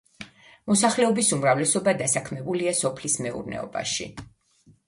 მოსახლეობის უმრავლესობა დასაქმებულია სოფლის მეურნეობაში.